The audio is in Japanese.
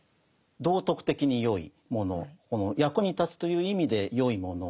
道徳的に善いもの役に立つという意味で善いもの